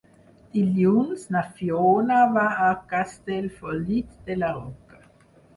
Dilluns na Fiona va a Castellfollit de la Roca.